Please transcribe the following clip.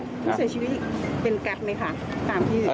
ผู้เสียชีวิตเป็นแก๊ปไหมคะตามที่